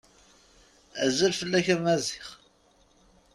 Azul fell-ak a Maziɣ.